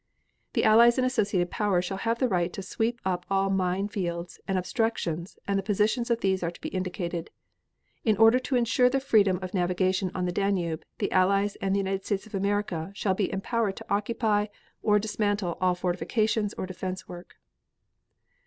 The Allies and associated Powers shall have the right to sweep up all mine fields and obstructions, and the positions of these are to be indicated. In order to insure the freedom of navigation on the Danube, the Allies and the United States of America shall be empowered to occupy or to dismantle all fortifications or defense work.